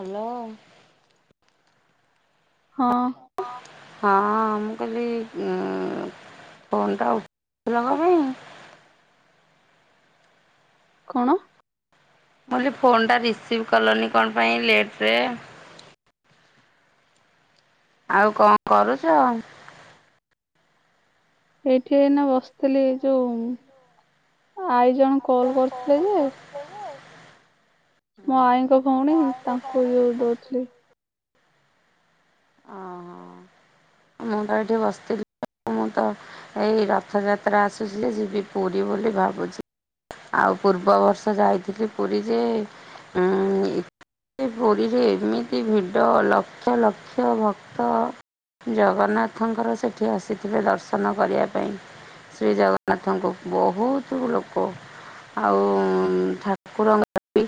Hello ହଁ ହଁ ମୁଁ କହିଲି ଉ ଫୋନ୍ ଟା ଉଠଉନ କଣ ପାଇଁ? କଣ ମୁ କହିଲ ଫୋନ୍ଟା ରିସିଭ୍ କଲନି କଣ ପାଇଁ ଲେଟରେ। ଆଉ କଣ କରୁଛ? ଏଇଠିଇନା ବସିଥିଲି ଯୋଉ ଆଈ ଜଣେ କଲ କରିଥିଲେ କଲ୍ ଯେ କରିଥିଲେ ଯେ ମୋ ଆଈଙ୍କ ଭଉଣୀ ଆଈଙ୍କ ତାଙ୍କୁ ଭଉଣୀ ଯୋଉ ତାଙ୍କୁ ଦଉଥିଲି। ଓହୋ ମୁଁ ତ ଏଇଠି ବସିଥିଲି। ମୁଁ ତ ଏଇ ରଥଯାତ୍ରା ଆସୁଚି ଯେ ଯିବି ପୁରୀ ବୋଲି ଭାବୁଛି। ଆଉ ପୂର୍ବ ବର୍ଷ ଯାଇଥିଲି ପୁରୀ ଯେ ସେ ପୁରୀରେ ଏମିତି ଭିଡ଼ ଲକ୍ଷ ଲକ୍ଷ ଭକ୍ତ। ଜଗନ୍ନାଥଙ୍କର ସେଠି ଆସିଥିଲେ ଦର୍ଶନ କରିବା ପାଇଁ। ଶ୍ରୀ ଜଗନ୍ନାଥଙ୍କୁ ବହୁତ ଲୋକ। ଆଉ ଠାକୁରଙ୍କର ବି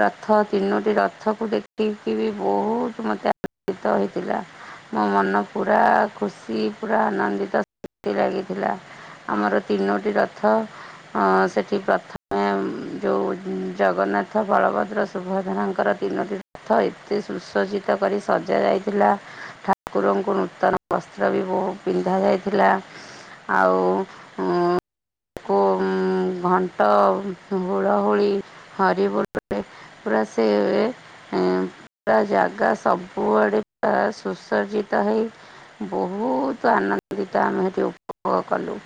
ରଥ ତିନୋଟି ରଥକୁ ଦେଖିକି ବି ବହୁତ ମତେ ଆନନ୍ଦିତ ହେଇଥିଲା। ମୋ ମନ ପୁରା ଖୁସି ପୁରା ଆନନ୍ଦିତ ଲାଗିଥିଲା। ଆମର ତିନୋଟି ରଥ ସେ ଏଠି ପ୍ରଥମେ ଯୋଉ ଜଗନ୍ନାଥ ବଳଭଦ୍ର ସୁଭଦ୍ରାଙ୍କର ତିନୋଟି ରଥ ଏତେ ସୁସଜ୍ଜିତ କରି ସଜ ଯାଇଥିଲା ଠାକୁରଙ୍କୁ ନୂତନ ବସ୍ତ୍ର ବି ବହୁତ ପିନ୍ଧାଯାଇଥିଲା। ଆଉ [unintelligible] ଘଣ୍ଟ ହୁଳହୁଳି ହରିବୁଲରେ ପୁରା ସେ ପୁରା ଜାଗା ସବୁଆଡ଼େ ପୁରା ସୁସଜିତ ହେଇ ବହୁତ ଆନନ୍ଦିତ ଆମେ ସେଠି ଉପଭୋଗ କଲୁ।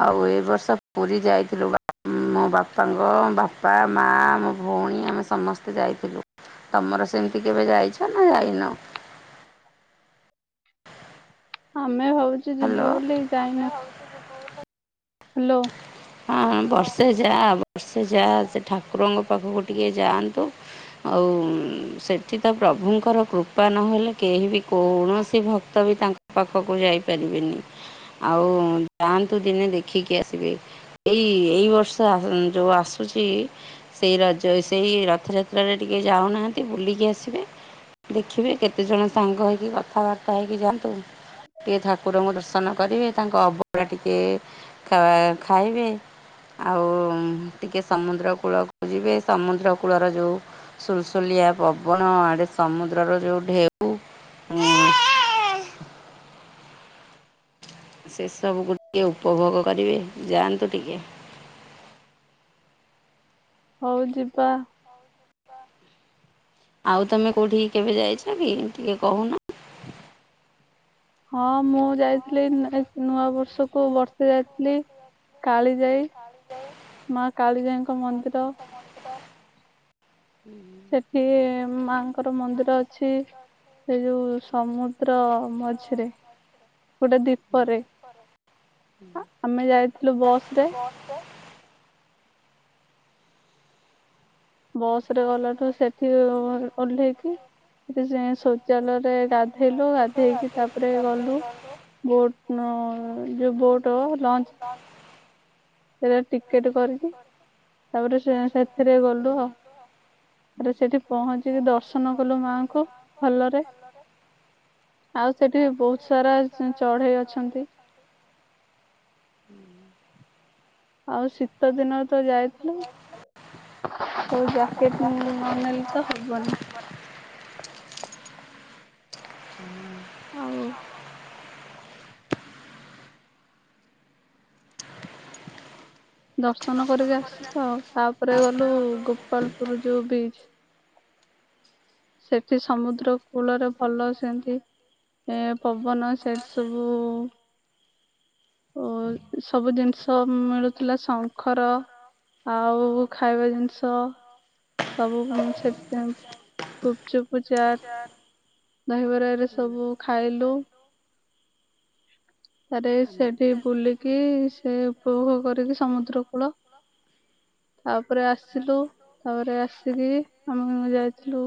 ଆଉ ଏ ବର୍ଷ ପୁରୀ ଯାଇଥିଲୁ ମୋ ବାପାଙ୍କ ବାପା ମା ମୋ ଭଉଣୀ ଆମେ ସମସ୍ତେ ଯାଇଥିଲୁ, ତମର ସେମିତି କେବେ ଯାଇଛ ନା ଯାଇନ? ଆମେ ଭାବଛୁ ଯିବୁ ହ୍ୟାଲୋ ବୋଲି ଯାଇନୁ। ହ୍ୟାଲୋ ହଁ ହ ବର୍ଷେ ଯା ବର୍ଷେ ଯା ସେ ଠାକୁରଙ୍କ ପାଖକୁ ଟିକେ ଯାଆନ୍ତୁ। ଆଉ ସେଠି ତ ପ୍ରଭୁଙ୍କର କୃପା ନହେଲେ କେହି ବି କୌଣସି ଭକ୍ତ ବି ତାଙ୍କ ପାଖକୁ ଯାଇପାରିବେନି ଆଉ ଯାଆନ୍ତୁ ଦିନେ ଦେଖିକି ଆସ ଏଇ ଏଇ ବର୍ଷ ଯୋଉଁ ଆସୁଛି ସେଇ ରଜ ସେଇ ରଥଯାତ୍ରାରେ ଟିକଏ ଯାଉନାହାନ୍ତି ବୁଲିକି ଆସିବେ। ଦେଖିବେ କେତେଜଣ ସାଙ୍ଗ ହେଇକି କଥାବାର୍ତ୍ତା ହେଇକି ଯାଆନ୍ତୁ। ଟିକିଏ ଠାକୁରଙ୍କୁ ଦର୍ଶନ କରିବେ ତାଙ୍କ ଅବଡ଼ା ଟିକେ ଆ ଖାଇବେ। ଆଉ ଟିକେ ସମୁଦ୍ର କୂଳକୁ ଯିବେ ସମୁଦ୍ର କୂଳର ଯେଉଁ ସୁଲସୁଲିଆ ପବନ ଆଡେ ସମୁଦ୍ରର ଯୋଉଁ ଢେଉ ହୁଁ। ସେସବୁକୁ ଟିକେ ଉପଭୋଗ କରିବେ ଯାଆନ୍ତୁ ଟିକେ। ହୋଉ ଯିବା। ଆଉ ତମେ କୋଉଠିକି କେବେ ଯାଇଛ କି ଟିକେ କହୁନ। ହଁ ମୁଁ ଯାଇଥିଲି ନୂଆ ବର୍ଷକୁ ବର୍ଷେ ଯାଇଥିଲି କାଳିଜାଇ। ମା କାଳିଜାଇଙ୍କ ମନ୍ଦିର ହୁଁ ସେଠି ମାଙ୍କର ମନ୍ଦିର ଅଛି। ସେ ଯୋଉଁ ସମୁଦ୍ର ମଝିରେ। ଗୋଟେ ଦୀପରେ ଆମେ ଯାଇଥିଲୁ ବସ ରେ [inaudible] ବସ ରେ ଗଲାଠୁ ସେଠି ଓହ୍ଲେଇକି ଜଲରେ ଗାଧେଇଲୁ ଗାଧେଇକି ତାପରେ ଗଲୁ। ବୋଟ ଯୋଉଁ ବୋଟ ଲଞ୍ଚ ସେଟା ଟିକେଟ କରିକି ତାପରେ ସେ ସେଥିରେ ଗଲୁ ଆଉ ତାପରେ ସେଠି ପହଞ୍ଚିକି ଦର୍ଶନ କଲୁ ମାଆଙ୍କୁ ଭଲରେ। ଆଉ ସେଠି ବହୁତ ସାରା ଚଢେଇ ଅଛନ୍ତି। ହୁଁ ଆଉ ଶୀତ ଦିନରେ ତ ଯାଇଥିଲୁ ଆଉ ଜ୍ୟାକେଟ ନନେଲେ ତ ହବନି। ଆଉ ଦର୍ଶନ କରିକି ଆସିଲୁ ଆଉ ତାପରେ ଗଲୁ ଗୋପାଳପୁର ଯୋଉଁ ବିଚ। ସେଠି ସମୁଦ୍ର କୂଳରେ ଭଲ ସେମିତି ଏ ପବନ ସେଠି ସବୁ ଓ ସବୁ ଜିନିଷ ମିଳୁଥିଲା ଶଙ୍ଖ ର ଆଉ ଖାଇବା ଜିନିଷ ସବୁ ସେଠି ଗୁପଚୁପୁ ଚାଟ ଦହିବରା ଏରା ସବୁ ଖାଇଲୁ। ତାପରେ ସେଠି ବୁଲିକି ସେ ଉପଭୋଗ କରିକି ସମୁଦ୍ର କୂଳ ତାପରେ ଆସିଲୁ ତାପରେ ଆସିକି ଆମେ ଯାଇଥିଲୁ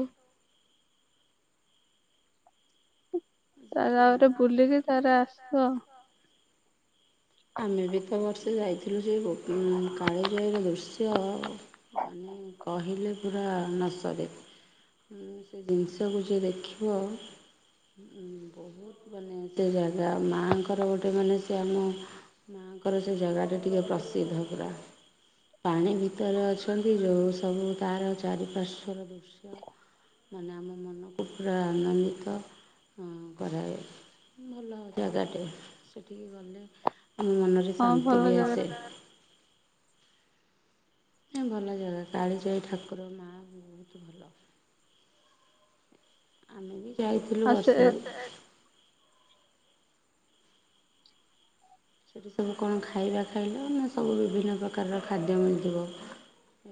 ତାପରେ ସେମିତି। ବୁଲିକି ତରେ ସାରା ଆସିଲ ଆଉ। ଆସିବ। ଆମେ ବି ତ ବର୍ଷେ ଯାଇଥିଲୁ ସେ ଗୋ କାଳିଜାଇ ର ଦୃଶ୍ୟ ମାନେ କହିଲେ ପୁରା ନସରେ ସେ ଜିନିଷକୁ ଯିଏ ଦେଖିବ ବହୁତ ମାନେ ସେ ଜାଗା ମାଆଙ୍କର ଗୋଟେ ମାନେ ସେ ଆମ ମାଆଙ୍କର ସେ ଜାଗାଟା ଟିକେ ପ୍ରସିଦ୍ଧ ପୁରା ପାଣି ଭି ତର ଅଛନ୍ତି ଯେଉଁ ସବୁ ତାର ଚାରି ପାଶ୍ବର ଦୃଶ୍ୟ ମାନେ ଆମ ମନକୁ ପୁରା ଆନନ୍ଦିତ ହଁ କରାଏ ଭଲ ଜାଗାଟେ ସେଠିକି ଗଲେ ଆମ ମନ ହଁ ଶାନ୍ତି ଭଲ ବି ଆସେ। ଜାଗାଟା ଭଲ ଜାଗା କାଳିଜାଇ ଠାକୁର ମା ବହୁତ ଭଲ। ଆମେ ବି ଯାଇଥିଲୁ ଆଉ ସେ ବର୍ଷ ସେଠି ସବୁ କଣ ଖାଇବା ଖାଇଲ ନା ସବୁ ବିଭିନ୍ନ ପ୍ରକାରର ଖାଦ୍ୟ ମିଳିଥିବ।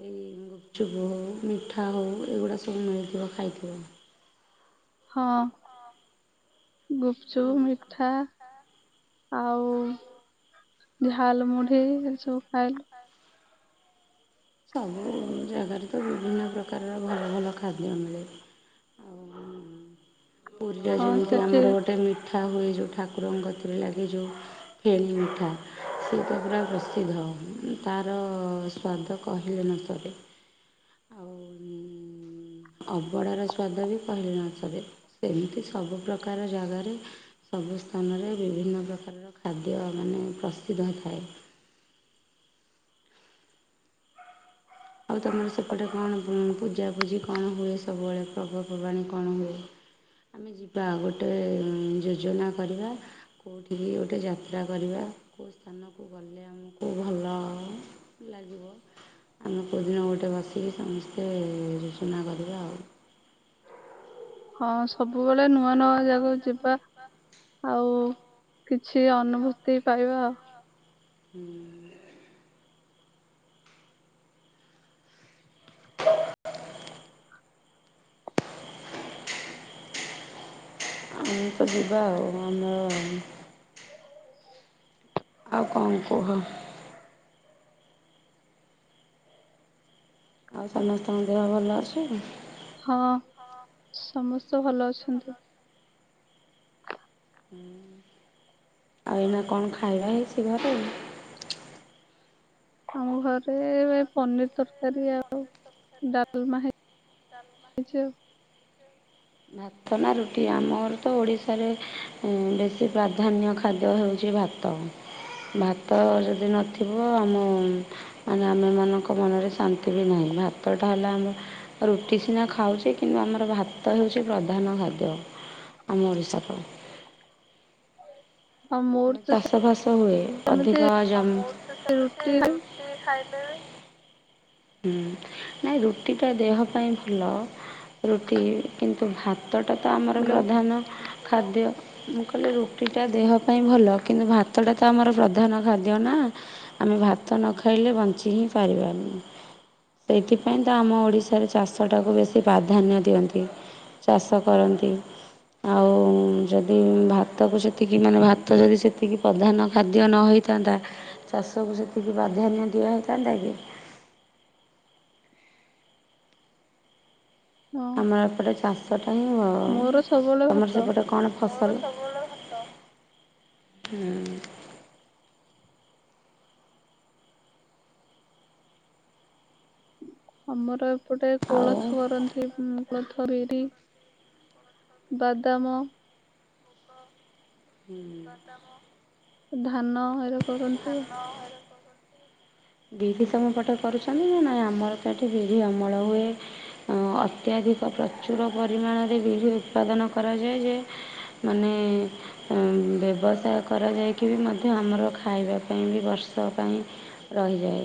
ଏଇ ଗୁପଚୁପ ହେଉ ମିଠା ହେଉ ଏଗୁଡ଼ା ସବୁ ମିଳିଥିବ ଖାଇଥିବ? ହଁ ଗୁପ୍ ଚୁପ୍ ମିଠା। ଆଉ ଝାଲ ମୁଢି ଏ ସବୁ ଖାଇଲୁ। ସବୁ ଜାଗାରେ ତ ବିଭିନ୍ନ ପ୍ରକାରର ଭଲ ଭଲ ଖାଦ୍ୟ ମିଳେ। ଆଉ ପୁରୀ ଟା ହଁ ଯେମିତି ସେଠି ଆମର ଗୋଟେ ମିଟ୍ ଉଠା ହୁଏ ଯେଉଁ ଠାକୁରଙ୍କ କତିରେ ଲାଗେ ଯେଉଁ ଫେଣି ମିଠା ସେଟା ପୁରା ପ୍ରସିଦ୍ଧ ତାର ସ୍ଵାଦ କହିଲେ ନ ସରେ। ଅବଡ଼ାର ସ୍ଵାଦ ବି କହିଲେ ନସରେ ସେମିତି ସବୁ ପ୍ରକାର ଜାଗାରେ ସବୁ ସ୍ଥାନରେ ବିଭିନ୍ନ ପ୍ରକାରର ଖାଦ୍ୟ ମାନେ ପ୍ରସିଦ୍ଧ ଥାଏ। ଆଉ ତୁମର ସେପଟେ କଣ ପୂଜାପୂଜି କଣ ହୁଏ ସବୁବେଳେ ପର୍ବପର୍ବାଣି କଣ ହୁଏ। ଆମେ ଯିବା ଗୋଟେ ଯୋଜନା କରିବା। କୋଉଠିିକି ଗୋଟେ ଯାତ୍ରା କରିବା କୋଉ ସ୍ଥାନକୁ ଗଲେ ଆମକୁ ଭଲ ଲାଗିବ। ଆମେ କେଉଅଦିନ ଗୋଟେ ବସିକି ସମସ୍ତେ ସୁନା କରିବା ଆଉ। ହଁ ସବୁବେଳେ ନୂଆ ନୂଆ ଜାଗାକୁ ଯିବା। ଆଉ କିଛି ଅନୁଭୂତି ପାଇବା। ହୁଁ। ଆମେ ତ ଯିବା ଆଉ ଆମର ଆଉ କଣ କୁହ। ଆଉ ସମସ୍ତଙ୍କ ଦେହ ଭଲ ଅଛି। ହଁ ସମସ୍ତେ ଭଲ ଅଛନ୍ତି। ହୁଁ ଆଉ ଏଇନା କଣ ଖାଇବା ହେଇଛି ଘରେ। ଆମ ଘରେ ପନିର ତରକାରୀ ଆଉ ଡାଲମା ହେ ଡାଲମା ହେଇଚି। ଭାତ୍। ଭାତନା ରୁଟି ଆମର ତ ଓଡ଼ିଶାରେ ବେଶୀ ପ୍ରାଧାନ୍ୟ ଖାଦ୍ୟ ହେଉଛି ଭାତ। ଭାତ ଯଦି ନଥିବ ଆମ ମାନେ ଆମେ ମାନଙ୍କ ମନରେ ଶାନ୍ତି ବି ନାହିଁ ଭାତ ଟା ହେଲା ଆମର ରୁଟି ସିନା ଖାଉଛି କିନ୍ତୁ ଆମର ଭାତ ହେଉଛି ଛି ପ୍ରଧାନ ଖାଦ୍ୟ ଆମ ଓଡ଼ିଶାର। ଆଉ ମୋର ତ ଚାଷ ବାସ ହୁଏ ସେମିତି ଅଧିକ ଜମି ରୁଟି ହୁଁ ନାଇଁ ରୁଟିଟା ଦେହ ପାଇଁ ଭଲ ରୁଟି କିନ୍ତୁ ଭାତ୍ ଭାତଟା ତ ଆମର ହ୍ୟାଲୋ ପ୍ରଧାନ ଖାଦ୍ୟ। ମୁଁ କହିଲେ ରୁଟିଟା ଦେହ ପାଇଁ ଭଲ କିନ୍ତୁ ଭାତଟା ତ ଆମର ପ୍ରଧାନ ଖାଦ୍ୟ ନା। ଆମେ ଭାତ ନ ଖାଇଲେ ବଞ୍ଚି ହିଁ ପାରିବାନି। ସେଇଥିପାଇଁ ତ ଆମ ଓଡ଼ିଶାରେ ଚାଷଟାକୁ ବେଶୀ ପ୍ରାଧାନ୍ୟ ଦିଅନ୍ତି। ଚାଷ କରନ୍ତି। ଆଉ ଯଦି ଭାତକୁ ସେତିକି ମାନେ ଭାତ ଯଦି ସେତିକି ପ୍ରଧାନ ଖାଦ୍ୟ ନ ହେଇ ଥାନ୍ତା ଚାଷକୁ ସେତିକି ପ୍ରାଧାନ୍ୟ ଦିଆ ହେଇଥାନ୍ତା କି? ହଁ ଆମର ଏପଟେ ଚାଷଟା ହିଁ ମୋର ସବୁବେଳେ ତମର ଭାତ ସେପଟେ କଣ। ଫସଲ ହୁଁ। ଆମର ଏପଟେ ଆଉ କୋଳଥ କରନ୍ତି ହୁଁ। କୋଳଥ ବିରି ବାଦାମ। ହୁଁ। ଧାନ ହେରେ କରନ୍ତି। ବିରି ତମ ପଟେ କରୁଛନ୍ତି ନା ନାଇଁ ଆମର ତ ଏଠି ବିରି ଅମଳ ହୁଏ। ଅତ୍ୟଧିକ ପ୍ରଚୁର ପରିମାଣରେ ବିରି ଉତ୍ପାଦନ କରାଯାଏ ଯେ ମାନେ ବ୍ୟବସାୟ କରାଯାଇକି ବି ମଧ୍ୟ ଆମର ଖାଇବା ପାଇଁ ବି ବର୍ଷ ପାଇଁ ରହିଯାଏ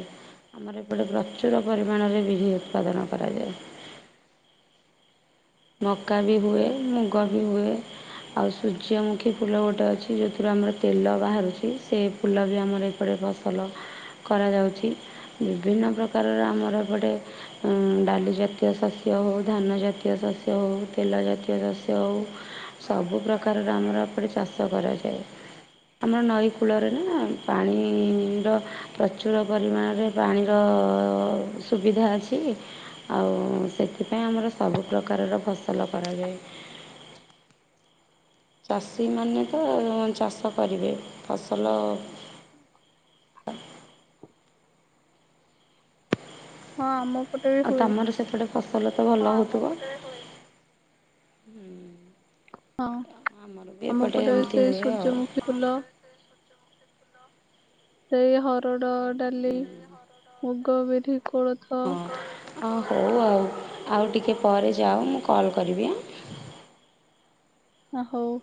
ଆମର ଏପଟେ ପ୍ରଚୁର ପରିମାଣରେ ବିରି ଉତ୍ପାଦନ କରାଯାଏ ମକା ବି ହୁଏ ମୁଗ ବି ହୁଏ ଆଉ ସୂର୍ଯ୍ୟମୁଖୀ ଫୁଲ ଗୋଟେ ଅଛି ଯେଉଁଥିରୁ ଆମର ତେଲ ବାହାରୁଛି ସେ ଫୁଲ ବି ଆମର ଏପଟେ- ଫୁଲ କରାଯାଉଛି ବିଭିନ୍ନ ପ୍ରକାରର ଆମର ଏପଟେ ହୁଁ ଡାଲି ଜାତୀୟ ଶସ୍ୟ ହଉ ଧାନ ଜାତୀୟ ଶସ୍ୟ ହେଉ ତେଲ ଜାତୀୟ ଶସ୍ୟ ହେଉ ସବୁ ପ୍ରକାରର ଆମର ଏପଟେ ଚାଷ କରାଯାଏ ଆମର ନଈ କୂଳରେ ନା ପାଣିର ପ୍ରଚୁର ପରିମାଣରେ ପାଣିର ସୁବିଧା ଅଛି ଆଉ ସେଥିପାଇଁ ଆମର ସବୁ ପ୍ରକାରର ଫସଲ କରାଯାଏ ଚାଷୀମାନେ ତ ଚାଷ କରିବେ ଫସଲ ହଁ ଆମ ପଟେ ବି ଆଉ ହୁଏ ତମର ସେପଟେ ଫସଲ ତ ଭଲ ହେଉଥିବ। ହଁ ଆମର ବି ଆମ ଏପଟେ ପଟେ ଏମିତି ସେଇ ହୁଏ ଆଉ। ସୂର୍ଯ୍ୟମୁଖୀ ଫୁଲ ସେଇ ହରଡ଼ ଡାଲି ମୁଗ, ବିରି, କୋଳଥ ହଁ ହଉ ଆଉ ଆଉ ଟିକିଏ ପରେ ଯାଅ ମୁଁ କଲ୍ କରିବି ଆ ଓ ହଉ